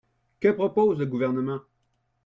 Que propose le Gouvernement?